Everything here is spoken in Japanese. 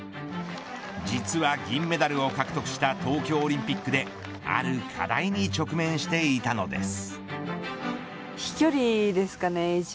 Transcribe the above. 実は、銀メダルを獲得した東京オリンピックである課題に直面していたのです。